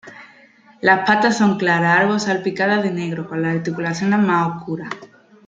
Las patas son claras, algo salpicadas de negro, con las articulaciones más oscuras.